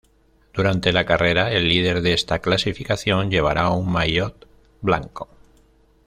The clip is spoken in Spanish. Durante la carrera, el líder de esta clasificación llevará un maillot blanco.